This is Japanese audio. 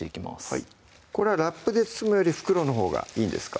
はいこれはラップで包むより袋のほうがいいんですか？